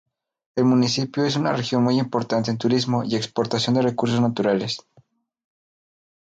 El municipio es una región muy importante en turismo y exportación de recursos naturales.